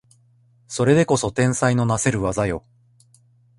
それでこそ天才のなせる技よ